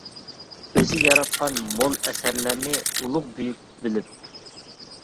ئۆزى ياراتقان مول ئەسەرلەرنى ئۇلۇغ بۈيۈك بىلىپ.